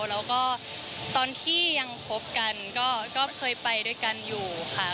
แล้วก็ตอนที่ยังคบกันก็เคยไปด้วยกันอยู่ค่ะ